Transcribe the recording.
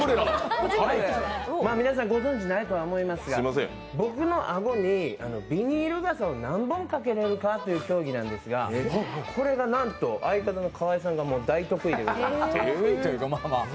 皆さんご存じないとは思いますが僕の顎にビニール傘を何本かけられるかという競技なんですが、これがなんと、相方の河井さんが大得意でございまして。